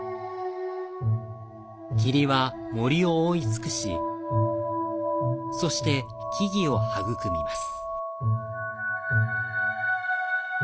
霧は森を覆いつくし、そして木々を育みます。